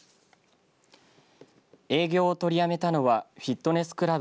営業を取りやめたのはフィットネスクラブ